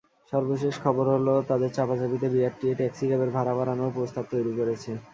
সর্বশেষ খবর হলো, তাদের চাপাচাপিতে বিআরটিএ ট্যাক্সিক্যাবের ভাড়া বাড়ানোর প্রস্তাব তৈরি করেছে।